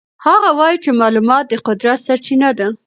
هغه وایي چې معلومات د قدرت سرچینه ده.